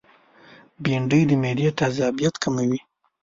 بېنډۍ د معدې تيزابیت کموي